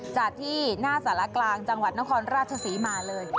จัดที่หน้าสารกลางจังหวัดนครราชศรีมาเลย